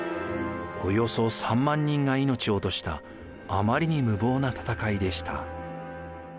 およそ３万人が命を落としたあまりに無謀な戦いでした。